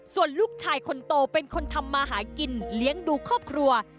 ส่วนลูกชายคนโตเป็นคนทำมาหากินเลี้ยงดูครอบครัว